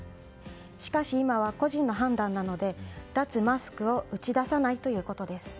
しかし今は個人の判断なので脱マスクを打ち出さないということです。